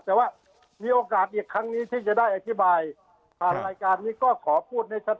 แต่ว่ามีโอกาสอีกครั้งนี้ที่จะได้อธิบายผ่านรายการนี้ก็ขอพูดให้ชัด